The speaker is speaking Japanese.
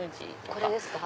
これですか。